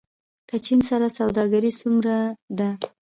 له چین سره سوداګري څومره ده؟